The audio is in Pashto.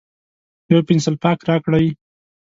یو پینسیلپاک راکړئ